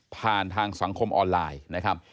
ทางสังคมออนไลน์นะครับ